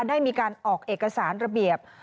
ได้มีการออกเอกสารระเบียบ